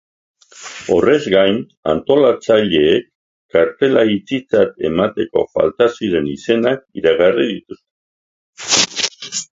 Horrez gain, antolatzaileek kartela itxitzat emateko falta ziren izenak iragarri dituzte.